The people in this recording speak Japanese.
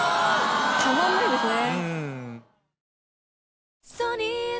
たまんないですね。